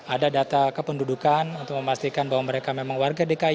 ada data kependudukan untuk memastikan bahwa mereka memang warga dki jakarta